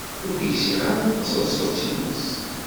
Ur gziɣ ara taseḍsut-nnes.